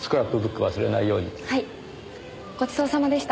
ごちそうさまでした。